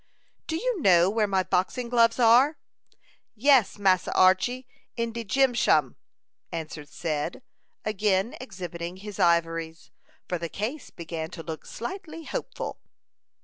"Do you know where my boxing gloves are?" "Yes, Massa Archy; in de gym shum," answered Cyd, again exhibiting his ivories, for the case began to look slightly hopeful.